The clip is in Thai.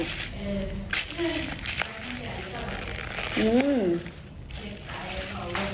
นี่สิ